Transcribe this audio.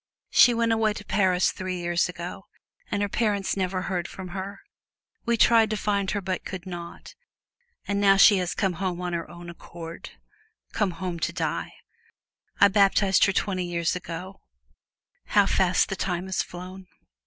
She went away to Paris, three years ago, and her parents never heard from her. We tried to find her, but could not; and now she has come home of her own accord come home to die. I baptized her twenty years ago how fast the time has flown!"